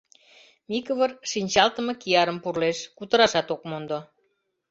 Микывыр шинчалтыме киярым пурлеш, кутырашат ок мондо.